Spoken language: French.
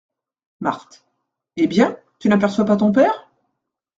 Marthe. — Eh ! bien, tu n’aperçois pas ton père ?